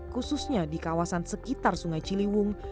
khususnya di kawasan sekitar sungai ciliwung